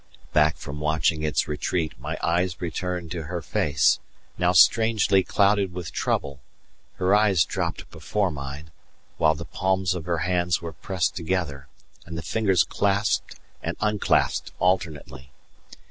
Back from watching its retreat, my eyes returned to her face, now strangely clouded with trouble; her eyes dropped before mine, while the palms of her hands were pressed together, and the fingers clasped and unclasped alternately.